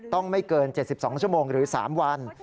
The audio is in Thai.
ไม่เกิน๗๒ชั่วโมงหรือ๓วัน